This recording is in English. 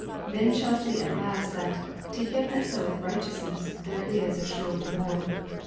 Men shall see at last that " To him that soweth righteousness there is a sure re ward."